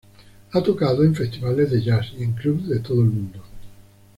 Ha tocado en festivales de Jazz y en clubs de todo el mundo.